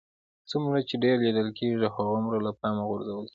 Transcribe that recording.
څومره چې ډېر لیدل کېږئ هغومره له پامه غورځول کېږئ